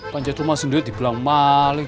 panjat rumah sendiri dibilang maling